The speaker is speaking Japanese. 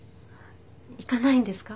行かないんですか？